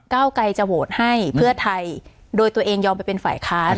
เก้าไกรจะโหวตให้เพื่อไทยโดยตัวเองยอมไปเป็นฝ่ายค้าน